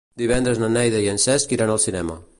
Divendres na Neida i en Cesc iran al cinema.